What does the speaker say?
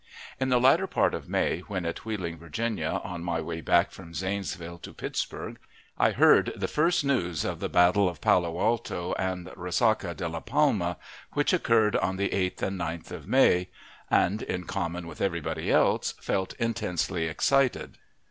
In the latter part of May, when at Wheeling, Virginia, on my way back from Zanesville to Pittsburg, I heard the first news of the battle of Palo Alto and Resaca de la Palma, which occurred on the 8th and 9th of May, and, in common with everybody else, felt intensely excited.